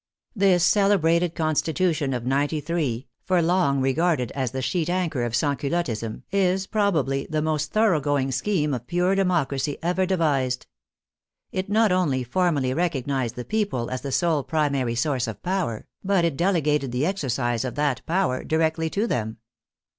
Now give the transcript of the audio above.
This celebrated Constitution of *93, for long regarded as the sheet anchor of Sansculot tism, is probably the most thoroughgoing scheme of pure democracy ever devised. It not only formally recognized the people as the sole primary source of power, but it delegated the exercise of that power directly to them.